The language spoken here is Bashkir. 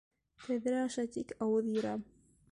Тәҙрә аша тик ауыҙ йырам!